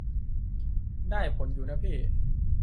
ได้ผลอยู่นะพี่